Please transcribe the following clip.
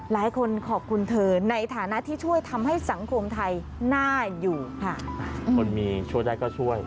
หลายคนขอบคุณเธอในฐานะที่ช่วยทำให้สังคมไทยน่าอยู่ค่ะคนมีช่วยได้ก็ช่วย